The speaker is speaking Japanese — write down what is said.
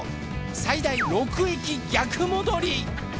最大６駅逆戻り！